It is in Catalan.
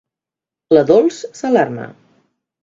La Dols s'alarma.